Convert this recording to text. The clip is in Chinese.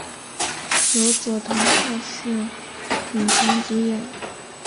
由佐藤浩市领衔主演。